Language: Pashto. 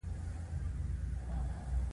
پوهېږې چې څه مې ورسره وکړل.